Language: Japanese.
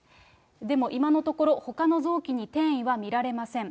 でも今のところ、ほかの臓器に転移は見られません。